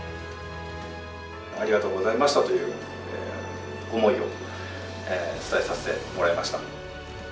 ありがとうございましたという思いを伝えさせてもらいました。